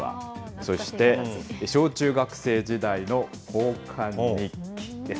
そして、小中学生時代の交換日記です。